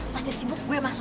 pas dia sibuk gue masuk